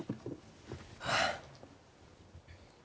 はあ。